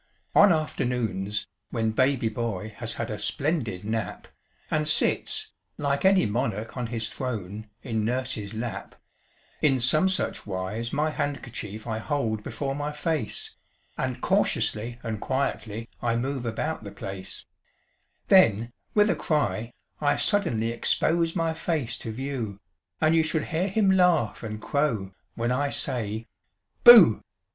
On afternoons, when baby boy has had a splendid nap, And sits, like any monarch on his throne, in nurse's lap, In some such wise my handkerchief I hold before my face, And cautiously and quietly I move about the place; Then, with a cry, I suddenly expose my face to view, And you should hear him laugh and crow when I say "Booh"!